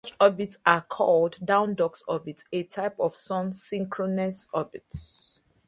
Such orbits are called dawn-dusk orbits, a type of Sun-synchronous orbit.